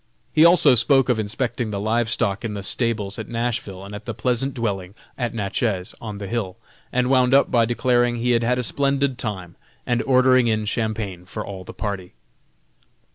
He also spoke of inspecting the live stock in the stables at Nashville and at the pleasant dwelling at Natchez, on the hill, and wound up by declaring he had had a splendid time, and ordering in Champagne for all the party.